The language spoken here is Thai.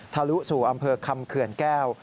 ลุสู่อำเภอคำเขื่อนแก้ว